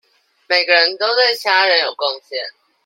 每個人都對其他人有貢獻